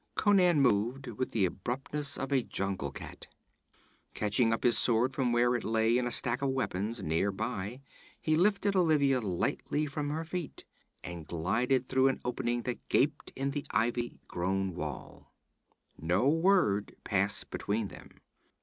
Conan moved with the abruptness of a jungle cat. Catching up his sword from where it lay in a stack of weapons near by, he lifted Olivia lightly from her feet and glided through an opening that gaped in the ivy grown wall. No word passed between them.